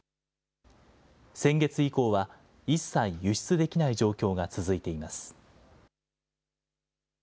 先月以降は一切輸出できない状況が続いています。